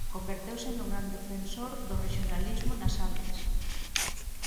Converteuse nun gran defensor do rexionalismo nas artes.